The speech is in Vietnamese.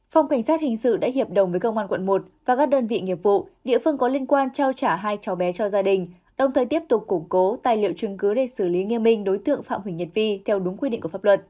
phòng cảnh sát hình sự đã hiệp đồng với công an quận một và các đơn vị nghiệp vụ địa phương có liên quan trao trả hai cháu bé cho gia đình đồng thời tiếp tục củng cố tài liệu chứng cứ để xử lý nghiêm minh đối tượng phạm huỳnh nhật vi theo đúng quy định của pháp luật